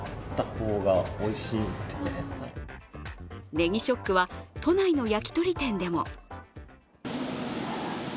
ねぎショックは都内の焼き鳥店でも。